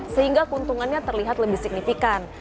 sehingga keuntungannya terlihat lebih signifikan